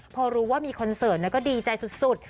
พอรู้ว่ามีคอนเสิร์ตก็ดีใจสุด